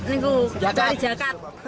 ini gue cari jakat